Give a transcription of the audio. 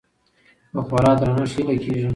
په خورا درنښت هيله کيږي